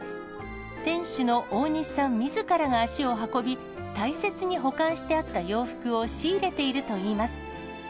店主の大西さんみずからが足を運び、大切に保管してあった洋服を仕入れているといいます。